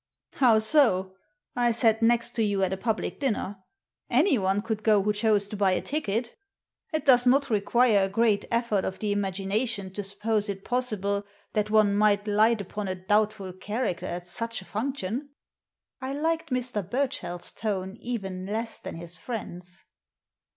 " How so ? I sat next to you at a public dinner. Anyone could go who chose to buy a ticket It does not require a great effort of the imagination to suppose it possible that one might light upon a doubtful character at such a function." I liked Mr. Burchell's tone even less than his friend's.